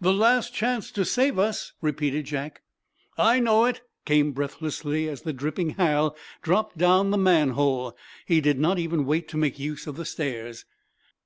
"The last chance to save us!" repeated Jack. "I know it," came, breathlessly, as the dripping Hal dropped down the manhole. He did not even wait to make use of the stairs.